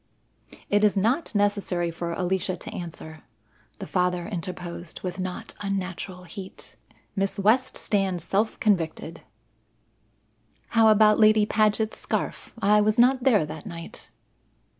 "It is not necessary for Alicia to answer," the father interposed with not unnatural heat. "Miss West stands self convicted." "How about Lady Paget's scarf? I was not there that night."